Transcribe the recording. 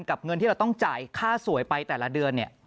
กับเงินที่เราต้องจ่ายค่าสวยไปแต่ละเดือน